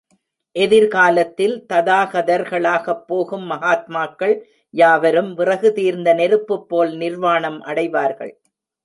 எதிர்காலத்தில் ததாகதர்களாகப் போகும் மகாத்மாக்கள் யாவரும் விறகு தீர்ந்த நெருப்புப்போல் நிர்வாணம் அடைவார்கள்.